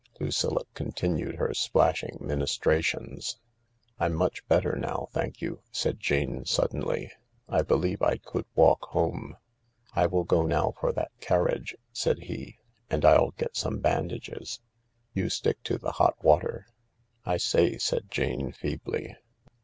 Lucilla continued het splashing ministrations. 62 THE LARK " I'm much better now, thank you," said Jane suddenly. " I believe I could walk home." " I will go now for that carriage," said he. " And I'll get some bandages. You stick to the hot water." " I say," said Jane feebly.